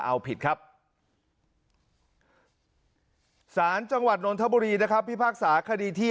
เอาผิดครับสารจังหวัดนทบุรีนะครับพิพากษาคดีที่